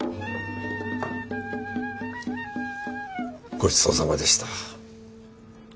ごちそうさまでした。